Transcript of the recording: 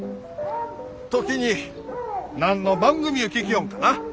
時に何の番組ゅう聴きょんかな？